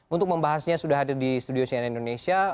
untuk membahasnya sudah hadir di studio cnn indonesia